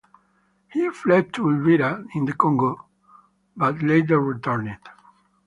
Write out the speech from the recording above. He fled to Uvira in the Congo but later returned.